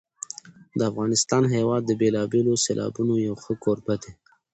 د افغانستان هېواد د بېلابېلو سیلابونو یو ښه کوربه دی.